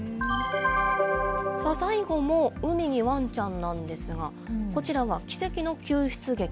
さあ、最後も海にわんちゃんなんですが、こちらは奇跡の救出劇。